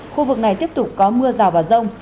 khu vực này tiếp tục có mưa rào và rông